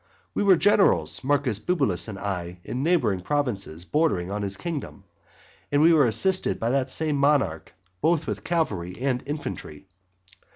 We were generals, Marcus Bibulus and I, in neighbouring provinces bordering on his kingdom; and we were assisted by that same monarch both with cavalry and infantry.